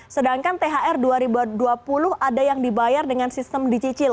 sedangkan thr dua ribu dua puluh ada yang dibayar dengan sistem dicicil